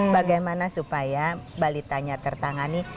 bagaimana supaya balitanya tertangani